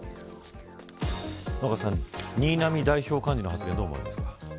若狭さん、新浪代表幹事の発言どう思われますか。